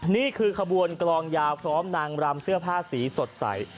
นี่คือขบวนกลองยาวพร้อมนางรำเสื้อผ้าสีสดใส